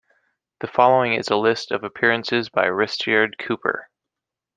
The following is a list of appearances by Risteard Cooper.